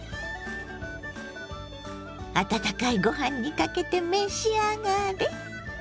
温かいご飯にかけて召し上がれ。